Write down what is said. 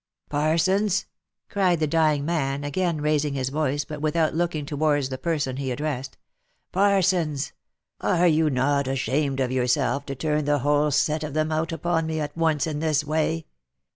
" Parsons !" cried the dying man, again raising his voice, but with out looking towards the person he addressed. " Parsons ! are you not ashamed of yourself to turn the whole set of them out upon me at once in this way